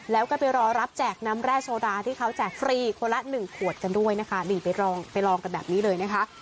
แล้วก็ไปรอรับแจกน้ำแร่โซดาที่เขาแจกฟรีคนละหนึ่งขวดกันด้วยนะคะนี่ไปลองไปลองกันแบบนี้เลยนะคะ